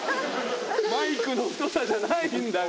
マイクの太さじゃないんだから。